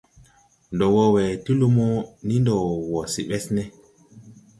Ndo wo we ti lumo, ni ndo wo se Besne.